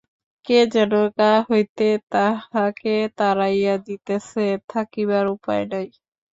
কে যেন গা হইতে তাহাকে তাড়াইয়া দিতেছে, থাকিবার উপায় নাই।